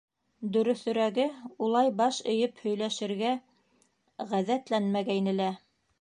Дөрөҫөрәге, улай баш эйеп һөйләшергә ғәҙәтләнмәгәйне лә.